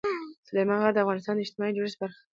سلیمان غر د افغانستان د اجتماعي جوړښت برخه ده.